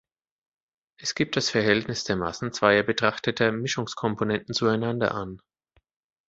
Es gibt das Verhältnis der Massen zweier betrachteter Mischungskomponenten zueinander an.